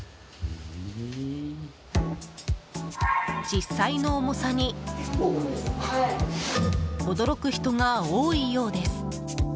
実際の重さに驚く人が多いようです。